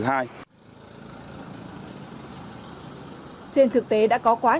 trên thực tế đã có quá nhiều nội dung